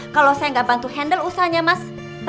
kalau saya nggak bantu handle usahanya mas